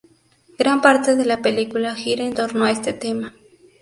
Gran parte de la película gira en torno a este tema.